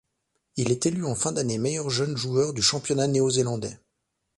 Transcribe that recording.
Il est élu en fin d'année meilleur jeune joueur du championnat néo-zélandais.